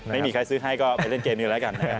ไม่มีใครซื้อให้ก็ไปเล่นเจนี่แล้วกันนะครับ